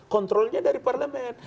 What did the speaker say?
kontrolnya dari parlemen